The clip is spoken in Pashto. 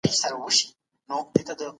تاسو په مثبتو فکرونو سره غوره مشر جوړیږئ.